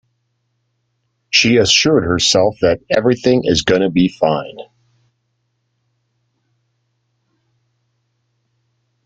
She assured herself that everything is gonna be fine.